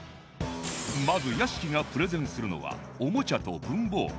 まず屋敷がプレゼンするのはおもちゃと文房具